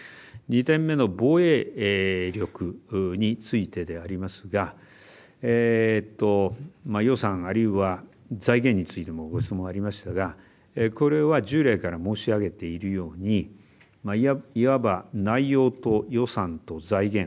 ２点目の防衛力についてでありますが予算、あるいは財源についてもご質問がありましたがこれは従来から申し上げているようにいわば、内容と予算と財源